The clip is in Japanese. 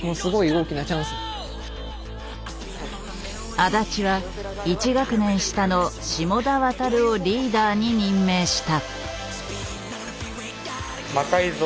安達は１学年下の霜田航をリーダーに任命した。